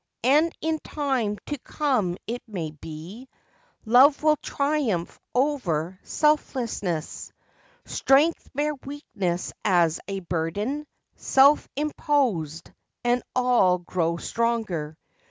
And in time to come it may be Love will triumph over selfness; Strength bear weakness as a burden Self imposed, and all grow stronger.